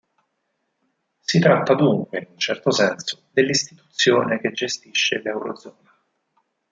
Si tratta dunque, in un certo senso, dell’istituzione che gestisce l'eurozona.